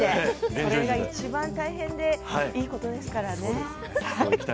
それがいちばん大変でいいことですからね。